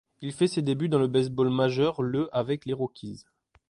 Il fait ses débuts dans le baseball majeur le avec les Rockies.